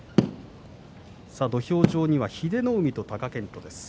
土俵上には英乃海と貴健斗です。